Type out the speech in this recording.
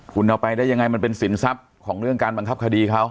คุณเอาไปได้ยังไงมันเป็นสินทรัพย์ของเรื่องการบังคับคดีเขา